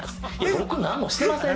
僕何もしてません。